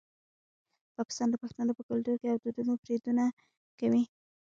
پاکستان د پښتنو په کلتور او دودونو بریدونه کوي.